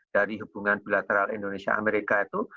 dari hubungan bilateral indonesia amerika itu